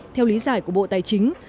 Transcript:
theo lý giải của bộ tài chính